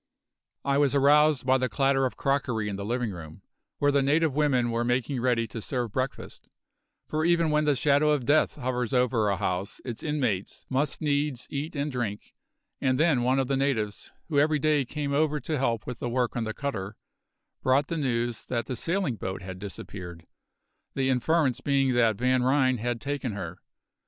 I was aroused by the clatter of crockery in the living room, where the native women were making ready to serve breakfast for even when the shadow of Death hovers over a house its inmates must needs eat and drink; and then one of the natives who every day came over to help with the work on the cutter, brought the news that the sailing boat had disappeared, the inference being that Van Ryn had taken her.